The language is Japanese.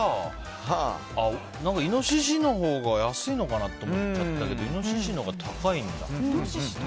イノシシのほうが安いのかなって思っちゃったけどイノシシのほうが高いんだ。